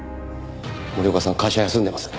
森岡さん会社休んでます。